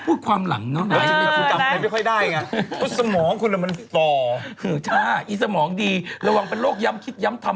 ผ่านมีรัศมีประมาณ๖๐เซนติเมตร